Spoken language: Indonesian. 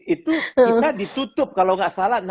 itu kita ditutup kalau nggak salah